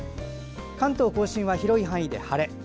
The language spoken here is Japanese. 関東・甲信は広い範囲で晴れ。